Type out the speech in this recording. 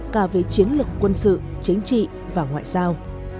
cả về chiến lược quân sự chính trị và ngoại giao